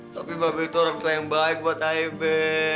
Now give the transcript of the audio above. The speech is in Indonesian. tapi mabai tuh orang yang baik buat saya be